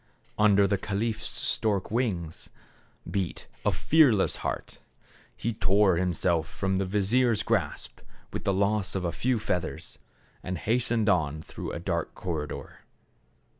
Under the caliph's stork wings beat a fearless heart. He tore himself from the vizier's grasp with the loss of a few feathers, and hastened on through a dark corridor.